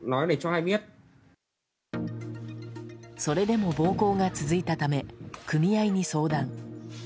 それでも暴行が続いたため組合に相談。